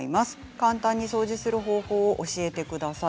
簡単に掃除する方法を教えてください。